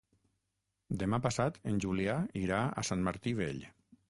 Demà passat en Julià irà a Sant Martí Vell.